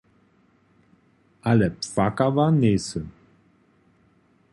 Ale płakała njejsym.